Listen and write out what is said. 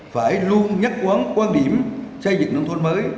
phải luôn nhắc quán quan điểm xây dựng nông thôn mới